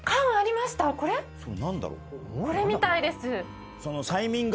これみたいです。